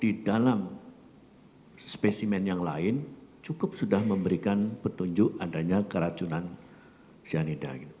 di dalam spesimen yang lain cukup sudah memberikan petunjuk adanya keracunan cyanida